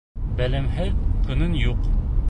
Белемһеҙ көнөң юҡ.